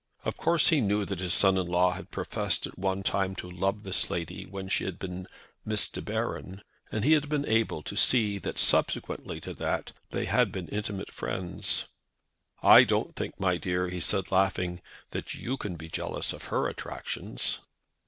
Of course he knew that his son in law had professed at one time to love this lady when she had been Miss De Baron, and he had been able to see that subsequently to that they had been intimate friends. "I don't think, my dear," he said, laughing, "that you can be jealous of her attractions."